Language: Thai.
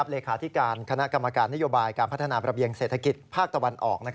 เลขาธิการคณะกรรมการนโยบายการพัฒนาระเบียงเศรษฐกิจภาคตะวันออก